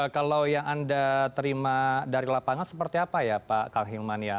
kalau yang anda terima dari lapangan seperti apa ya pak kal hilmania